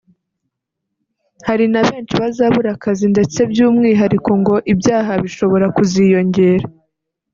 hari na benshi bazabura akazi ndetse by’umwihariko ngo ibyaha bishobora kuziyongera